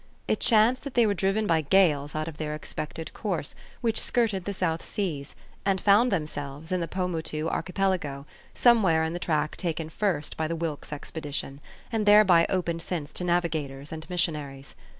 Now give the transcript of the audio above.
It chanced that they were driven by gales out of their expected course, which skirted the South Seas, and found themselves in the Paumotu Archipelago, somewhere in the track taken first by the Wilkes Expedition, and thereby opened since to navigators and missionaries.